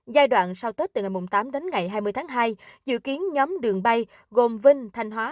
giai đoạn sau tết từ ngày tám đến ngày hai mươi tháng hai dự kiến nhóm đường bay gồm vinh thanh hóa